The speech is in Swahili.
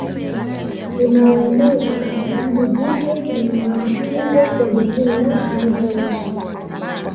Unaoenezwa na mbu jike mwenye maambukizo wa jamii ya anopheles